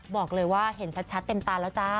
บอกเลยว่าเห็นชัดเต็มตาแล้วจ้า